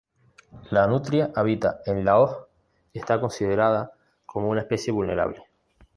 La nutria habita en la hoz y está considerada como "especie vulnerable".